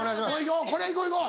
これいこういこう。